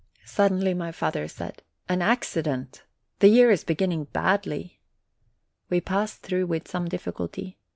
Suddenly my father said : "An accident ! The year is beginning badly !" We passed through with some difficulty.